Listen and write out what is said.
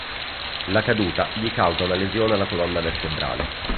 La caduta gli causa una lesione alla colonna vertebrale.